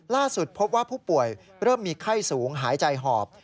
ล่าสุดพบว่าผู้ป่วยเริ่มมีไข้สูงหายใจหอบ